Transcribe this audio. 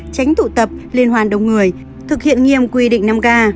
tránh tụ tập liên hoàn đông người thực hiện nghiêm quy định năm k